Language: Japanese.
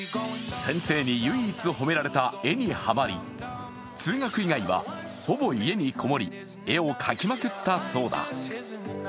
先生に唯一褒められた絵にハマり、通学以外はほぼ家にこもり、絵を描きまくったそうだ。